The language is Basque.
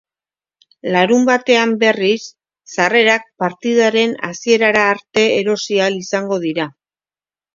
Larunbatean, berriz, sarrerak partidaren hasierara arte erosi ahal izango dira.